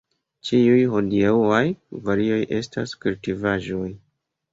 Ĉiuj hodiaŭaj varioj estas kultivaĵoj.